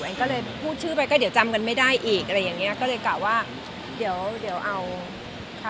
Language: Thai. ก็เลยพูดชื่อไปก็เดี๋ยวจำกันไม่ได้อีกอะไรอย่างเงี้ยก็เลยกะว่าเดี๋ยวเดี๋ยวเอาค่ะ